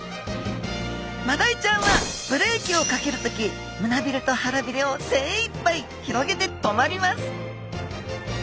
マダイちゃんはブレーキをかける時胸びれと腹びれを精いっぱい広げて止まります